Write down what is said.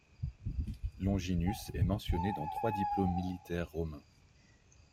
Longinus est mentionné dans trois diplômes militaires romains.